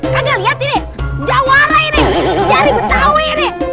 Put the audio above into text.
kagak liat ini jawara ini dari betawi ini